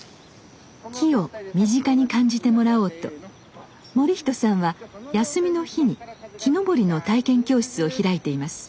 木を身近に感じてもらおうと盛人さんは休みの日に木登りの体験教室を開いています。